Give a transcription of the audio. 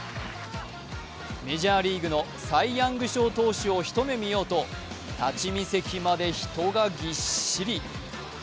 メジャーリーグのサイ・ヤング賞投手を一目見ようと立ち見席まで人がぎっしり。